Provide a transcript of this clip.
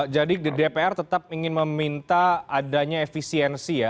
jadi dpr tetap ingin meminta adanya efisiensi ya